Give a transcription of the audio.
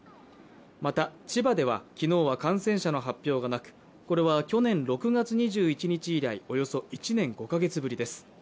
また、千葉では昨日は感染者の発表がなくこれは去年６月２１日以来、およそ１年５カ月ぶりです。